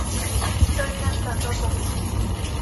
โดยการจัดระบบ